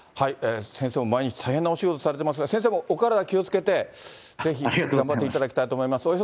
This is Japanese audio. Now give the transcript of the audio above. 先生も毎日大変なお仕事されてますが、先生もお体気をつけて、ぜひ頑張っていただきたいと思います。